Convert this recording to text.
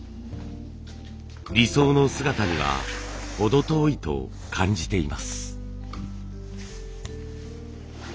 理想の姿には程遠いと感じています。